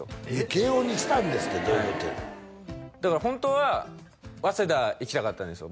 慶應にしたんですってどういうことやねんだから本当は早稲田行きたかったんですよ